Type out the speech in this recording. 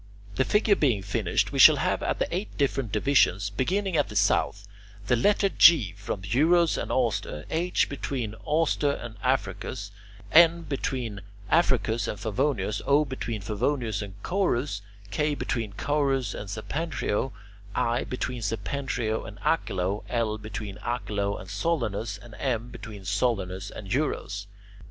The figure being finished, we shall have at the eight different divisions, beginning at the south, the letter G between Eurus and Auster, H between Auster and Africus, N between Africus and Favonius, O between Favonius and Caurus, K between Caurus and Septentrio, I between Septentrio and Aquilo, L between Aquilo and Solanus, and M between Solanus and Eurus.